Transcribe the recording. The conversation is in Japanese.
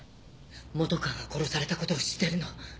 本川が殺されたことを知ってるの？